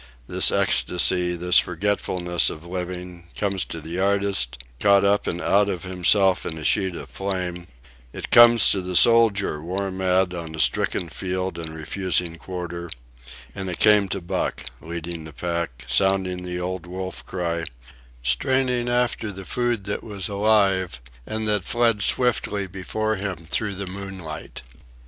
This ecstasy, this forgetfulness of living, comes to the artist, caught up and out of himself in a sheet of flame; it comes to the soldier, war mad on a stricken field and refusing quarter; and it came to Buck, leading the pack, sounding the old wolf cry, straining after the food that was alive and that fled swiftly before him through the moonlight.